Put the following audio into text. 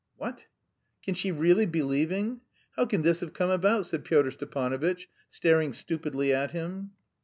"What! Can she really be leaving? How can this have come about?" said Pyotr Stepanovitch, staring stupidly at him.